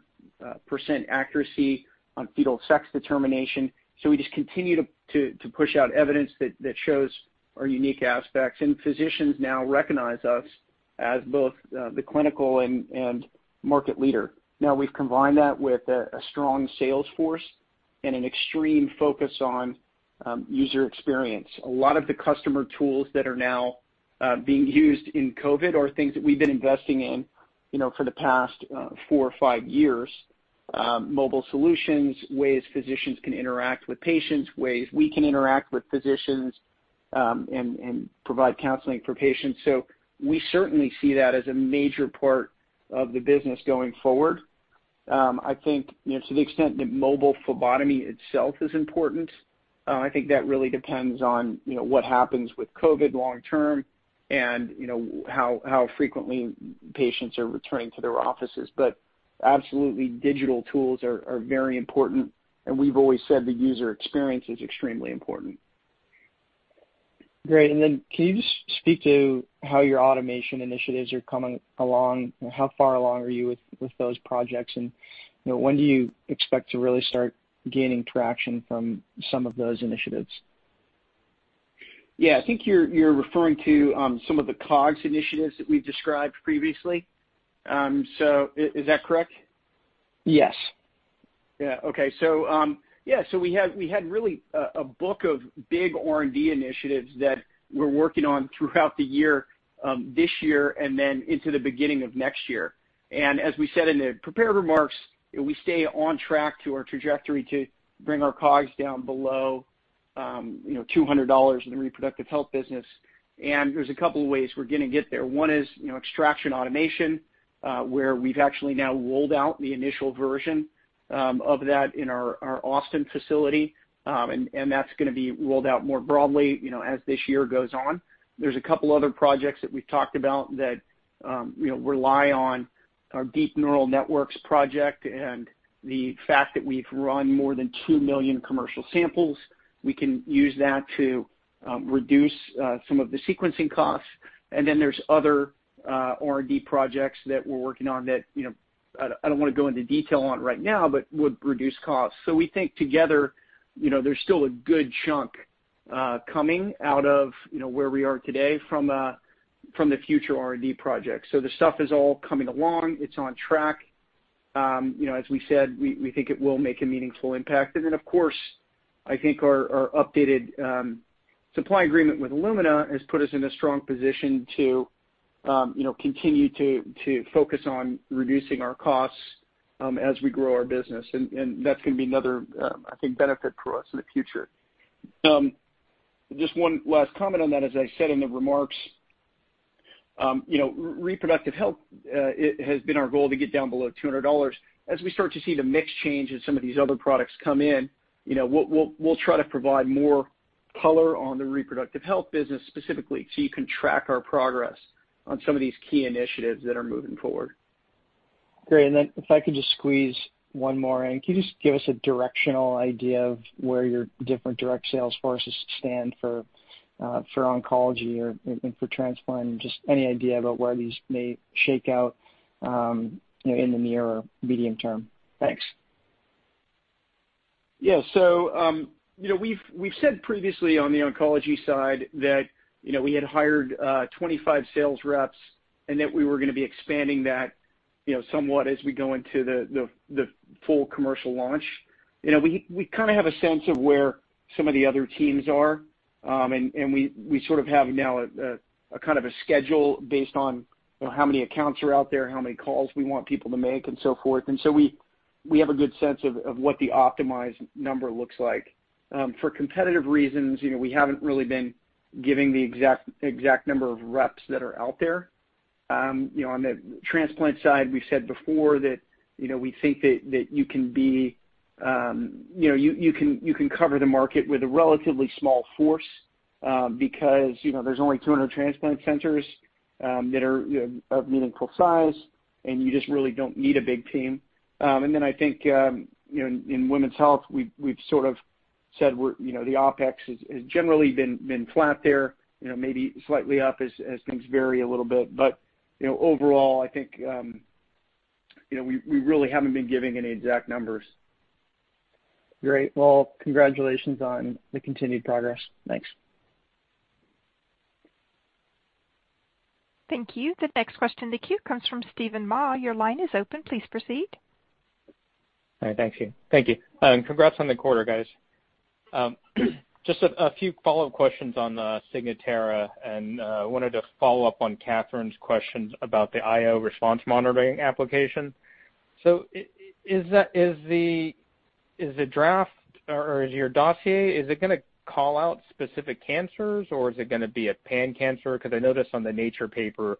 accuracy on fetal sex determination. We just continue to push out evidence that shows our unique aspects, and physicians now recognize us as both the clinical and market leader. Now we've combined that with a strong sales force and an extreme focus on user experience. A lot of the customer tools that are now being used in COVID-19 are things that we've been investing in for the past four or five years, mobile solutions, ways physicians can interact with patients, ways we can interact with physicians and provide counseling for patients. We certainly see that as a major part of the business going forward. I think to the extent that mobile phlebotomy itself is important, I think that really depends on what happens with COVID long term and how frequently patients are returning to their offices. Absolutely, digital tools are very important, and we've always said the user experience is extremely important.
Great. Can you just speak to how your automation initiatives are coming along? How far along are you with those projects, and when do you expect to really start gaining traction from some of those initiatives?
Yeah. I think you're referring to some of the COGS initiatives that we've described previously. Is that correct?
Yes.
Yeah. Okay. We had really a book of big R&D initiatives that we're working on throughout the year, this year, and then into the beginning of next year. As we said in the prepared remarks, we stay on track to our trajectory to bring our COGS down below $200 in the reproductive health business. There's a couple of ways we're going to get there. One is extraction automation, where we've actually now rolled out the initial version of that in our Austin facility. That's going to be rolled out more broadly as this year goes on. There's a couple other projects that we've talked about that rely on our deep neural networks project and the fact that we've run more than 2 million commercial samples. We can use that to reduce some of the sequencing costs. There's other R&D projects that we're working on that I don't want to go into detail on right now, but would reduce costs. We think together, there's still a good chunk coming out of where we are today from the future R&D projects. The stuff is all coming along. It's on track. As we said, we think it will make a meaningful impact. Of course, I think our updated supply agreement with Illumina has put us in a strong position to continue to focus on reducing our costs as we grow our business. That's going to be another, I think, benefit for us in the future. Just one last comment on that. As I said in the remarks, reproductive health has been our goal to get down below $200. As we start to see the mix change as some of these other products come in, we'll try to provide more color on the reproductive health business specifically so you can track our progress on some of these key initiatives that are moving forward.
Great. If I could just squeeze one more in. Can you just give us a directional idea of where your different direct sales forces stand for oncology or for transplant? Just any idea about where these may shake out in the near or medium term? Thanks.
We've said previously on the oncology side that we had hired 25 sales reps and that we were going to be expanding that somewhat as we go into the full commercial launch. We kind of have a sense of where some of the other teams are, and we sort of have now a kind of a schedule based on how many accounts are out there, how many calls we want people to make and so forth. We have a good sense of what the optimized number looks like. For competitive reasons, we haven't really been giving the exact number of reps that are out there. On the transplant side, we've said before that we think that you can cover the market with a relatively small force because there's only 200 transplant centers that are of meaningful size, and you just really don't need a big team. I think in women's health, we've sort of said the OpEx has generally been flat there, maybe slightly up as things vary a little bit. Overall, I think we really haven't been giving any exact numbers.
Great. Well, congratulations on the continued progress. Thanks.
Thank you. The next question in the queue comes from Steven Ma. Your line is open. Please proceed.
All right. Thank you. Congrats on the quarter, guys. Just a few follow-up questions on Signatera, and I wanted to follow up on Catherine's questions about the IO response monitoring application. Is your dossier, is it going to call out specific cancers or is it going to be a pan-cancer? Because I noticed on the "Nature" paper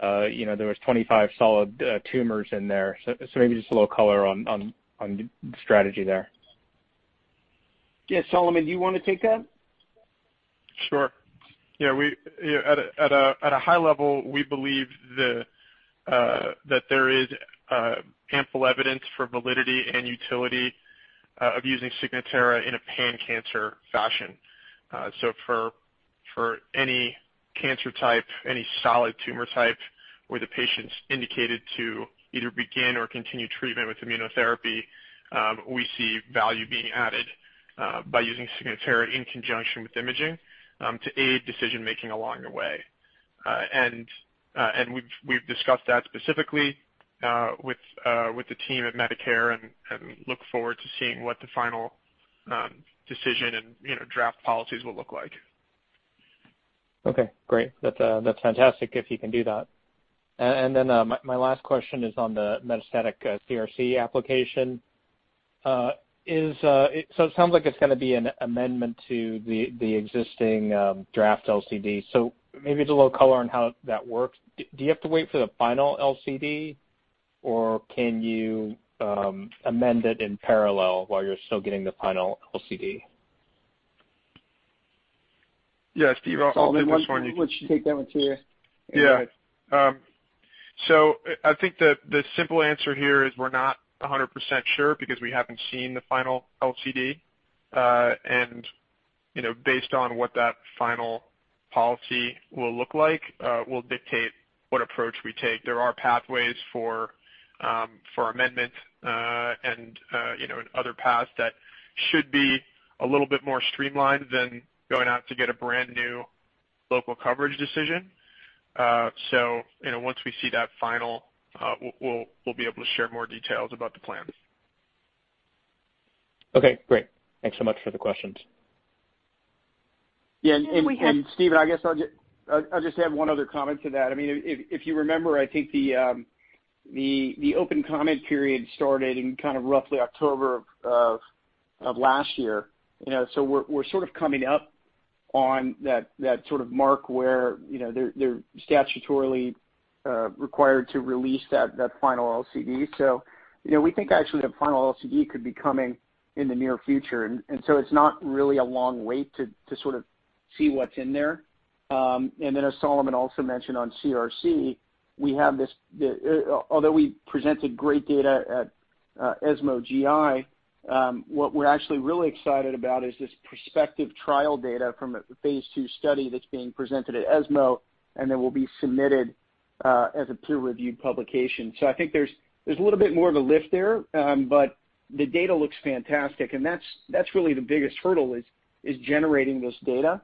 there was 25 solid tumors in there. Maybe just a little color on the strategy there.
Yeah. Solomon, do you want to take that?
Sure. Yeah. At a high level, we believe that there is ample evidence for validity and utility of using Signatera in a pan-cancer fashion. For any cancer type, any solid tumor type where the patient's indicated to either begin or continue treatment with immunotherapy, we see value being added by using Signatera in conjunction with imaging to aid decision making along the way. We've discussed that specifically with the team at Medicare and look forward to seeing what the final decision and draft policies will look like.
Okay, great. That's fantastic if you can do that. My last question is on the metastatic CRC application. It sounds like it's going to be an amendment to the existing draft LCD. Maybe just a little color on how that works. Do you have to wait for the final LCD, or can you amend it in parallel while you're still getting the final LCD?
Yeah, Steve, I'll take this one.
Solomon, why don't you take that one too?
Yeah. I think the simple answer here is we're not 100% sure because we haven't seen the final LCD. Based on what that final policy will look like will dictate what approach we take. There are pathways for amendments and other paths that should be a little bit more streamlined than going out to get a brand-new local coverage decision. Once we see that final, we'll be able to share more details about the plans.
Okay, great. Thanks so much for the questions.
Yeah, Steve, I guess I'll just add one other comment to that. If you remember, I think the open comment period started in roughly October of last year. We're sort of coming up on that mark where they're statutorily required to release that final LCD. We think actually the final LCD could be coming in the near future, it's not really a long wait to see what's in there. As Solomon also mentioned on CRC, although we presented great data at ESMO GI, what we're actually really excited about is this prospective trial data from a phase II study that's being presented at ESMO and then will be submitted as a peer-reviewed publication. I think there's a little bit more of a lift there, the data looks fantastic, and that's really the biggest hurdle is generating this data.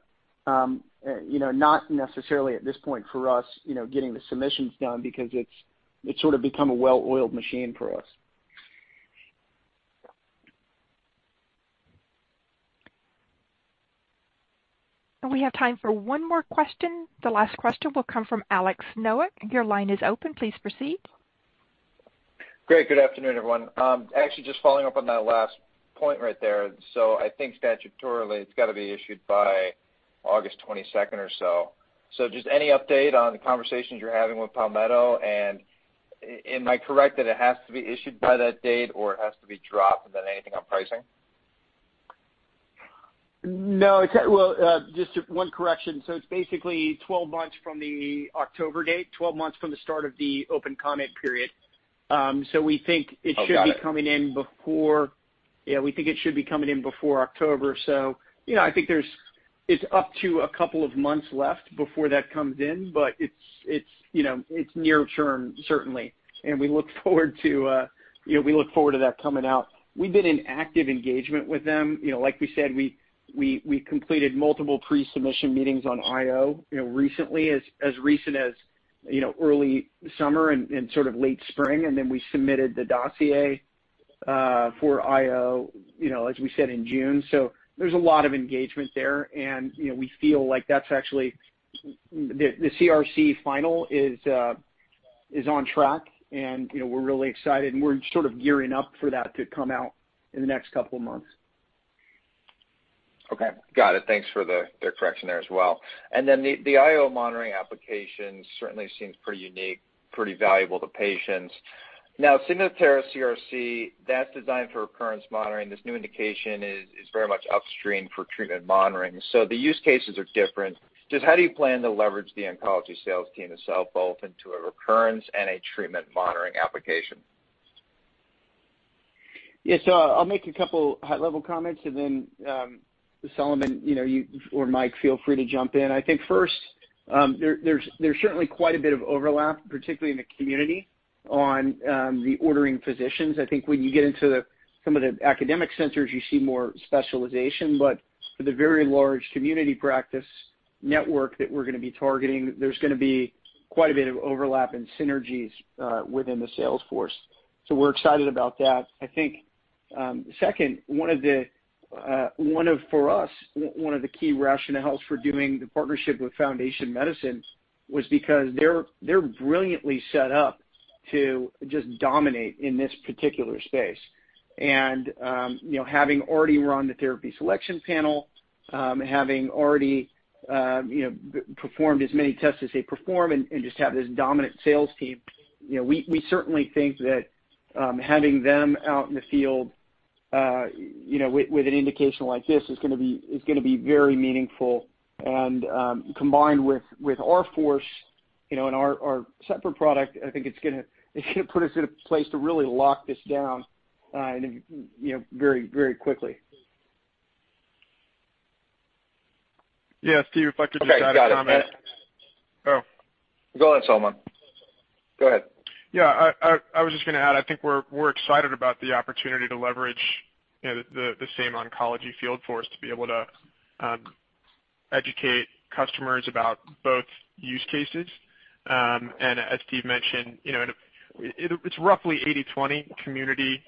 Not necessarily at this point for us getting the submissions done because it's sort of become a well-oiled machine for us.
We have time for one more question. The last question will come from Alex Nowak. Your line is open. Please proceed.
Great. Good afternoon, everyone. Actually, just following up on that last point right there. I think statutorily it's got to be issued by August 22nd or so. Just any update on the conversations you're having with Palmetto, and am I correct that it has to be issued by that date or it has to be dropped? Anything on pricing?
No, well, just one correction. It's basically 12 months from the October date, 12 months from the start of the open comment period. We think it should be coming in before October. I think it's up to a couple months left before that comes in, but it's near term certainly, and we look forward to that coming out. We've been in active engagement with them. Like we said, we completed multiple pre-submission meetings on IO recently, as recent as early summer and late spring, and then we submitted the dossier for IO as we said in June. There's a lot of engagement there, and we feel like the CRC final is on track, and we're really excited, and we're sort of gearing up for that to come out in the next couple months.
Okay. Got it. Thanks for the correction there as well. The IO monitoring application certainly seems pretty unique, pretty valuable to patients. Now, similar to CRC, that's designed for recurrence monitoring. This new indication is very much upstream for treatment monitoring. The use cases are different. Just how do you plan to leverage the oncology sales team itself both into a recurrence and a treatment monitoring application?
I'll make a couple high-level comments and then Solomon or Mike, feel free to jump in. I think first, there's certainly quite a bit of overlap, particularly in the community, on the ordering physicians. I think when you get into some of the academic centers, you see more specialization. For the very large community practice network that we're going to be targeting, there's going to be quite a bit of overlap in synergies within the sales force. We're excited about that. I think second, for us, one of the key rationales for doing the partnership with Foundation Medicine was because they're brilliantly set up to just dominate in this particular space. Having already run the therapy selection panel, having already performed as many tests as they perform and just have this dominant sales team, we certainly think that having them out in the field with an indication like this is going to be very meaningful and combined with our force and our separate product, I think it's going to put us in a place to really lock this down very quickly.
Yeah, Steve, if I could just add a comment.
Okay, got it. Go on, Solomon. Go ahead.
Yeah, I was just going to add, I think we're excited about the opportunity to leverage the same oncology field force to be able to educate customers about both use cases. As Steve mentioned, it's roughly 80/20 community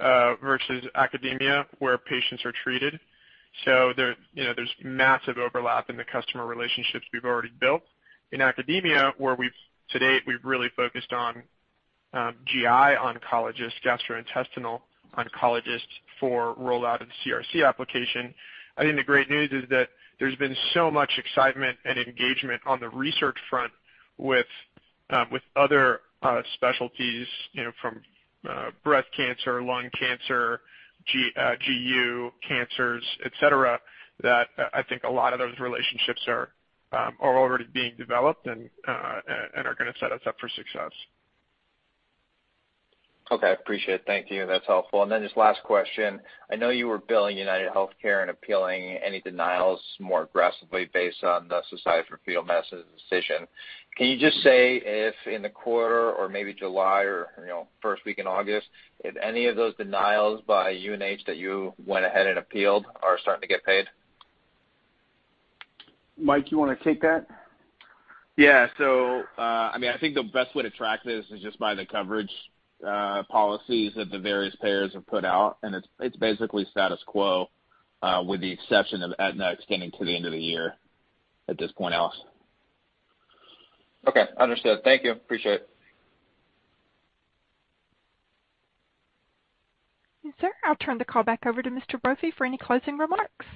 versus academia where patients are treated. There's massive overlap in the customer relationships we've already built. In academia, where to date we've really focused on GI oncologists, gastrointestinal oncologists for rollout of the CRC application. I think the great news is that there's been so much excitement and engagement on the research front with other specialties from breast cancer, lung cancer, GU cancers, et cetera, that I think a lot of those relationships are already being developed and are going to set us up for success.
Okay, appreciate it. Thank you. That's helpful. Just last question. I know you were billing UnitedHealthcare and appealing any denials more aggressively based on the Society for Maternal-Fetal Medicine's decision. Can you just say if in the quarter or maybe July or first week in August, if any of those denials by UNH that you went ahead and appealed are starting to get paid?
Mike, you want to take that?
Yeah. I think the best way to track this is just by the coverage policies that the various payers have put out, and it's basically status quo with the exception of Aetna extending to the end of the year at this point, Alex.
Okay, understood. Thank you. Appreciate it.
Sir, I'll turn the call back over to Mr. Brophy for any closing remarks.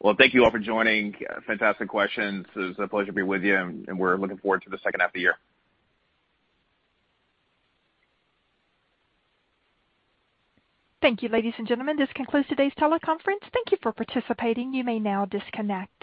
Well, thank you all for joining. Fantastic questions. It was a pleasure to be with you, and we're looking forward to the second half of the year.
Thank you, ladies and gentlemen. This concludes today's teleconference. Thank you for participating. You may now disconnect.